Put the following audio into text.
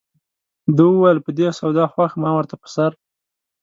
ده وویل په دې سودا خوښ ما ورته په سر.